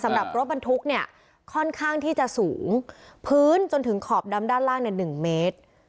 สำหรับรถบรรทุกเนี่ยค่อนข้างที่จะสูงพื้นจนถึงขอบดำด้านล่างเนี่ย๑เมตร